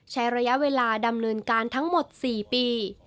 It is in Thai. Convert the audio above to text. ใช้ระยะเวลาดำเนินการทั้งหมด๔ปี